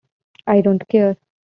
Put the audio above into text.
I don't care.